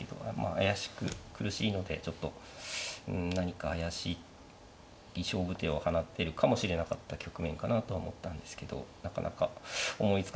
怪しく苦しいのでちょっと何か怪しい勝負手を放てるかもしれなかった局面かなとは思ったんですけどなかなか思いつかなかったですね。